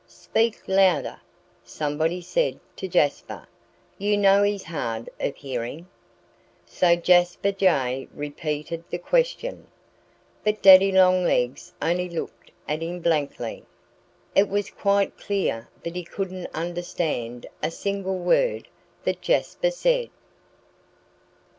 "Speak louder!" somebody said to Jasper. "You know he's hard of hearing." So Jasper Jay repeated the question. But Daddy Longlegs only looked at him blankly. It was quite clear that he couldn't understand a single word that Jasper said.